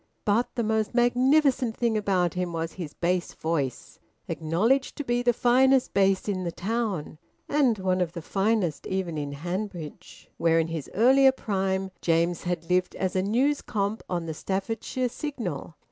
But the most magnificent thing about him was his bass voice, acknowledged to be the finest bass in the town, and one of the finest even in Hanbridge, where, in his earlier prime, James had lived as a `news comp' on the "Staffordshire Signal."